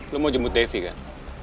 lo mau jemput devi kan